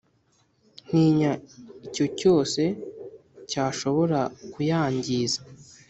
Ntinya icyo cyose cyashobora kuyangiza